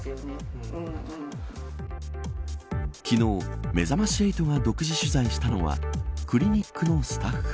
昨日、めざまし８が独自取材したのはクリニックのスタッフ。